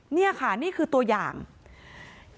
นี่ค่ะนี่คือตัวอย่าง